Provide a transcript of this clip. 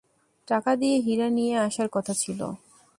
টাকা দিয়ে হীরা নিয়ে আসার কথা ছিল।